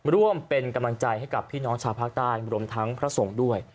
ร่วมเป็นกำลังใจให้กับพี่น้องชาวภาคใต้รวมทั้งพระสงฆ์ด้วย